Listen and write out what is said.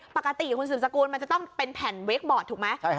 ปกติคุณสืบสกุลมันจะต้องเป็นแผ่นเวคบอร์ดถูกไหม